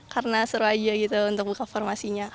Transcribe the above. karena seru aja gitu untuk buka formasinya